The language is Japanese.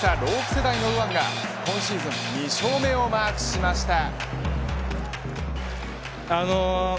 世代の右腕が今シーズン２勝目をマークしました。